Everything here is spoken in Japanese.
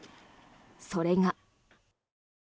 それが。